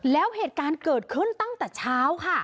แล้วเหตุการณ์เกิดขึ้นตั้งแต่เช้าค่ะ